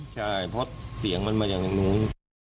ใช่เพราะเสียงมันมาอย่างนู้น